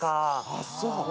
ああそう！